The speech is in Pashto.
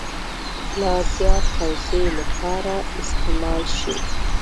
د لا زیات توضیح لپاره استعمال شي.